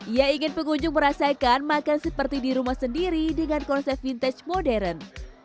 ia ingin pengunjung merasakan makan seperti di rumah sendiri dengan konsep vintage modern